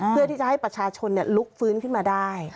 เพื่อที่จะให้ประชาชนลุกฟื้นขึ้นมาได้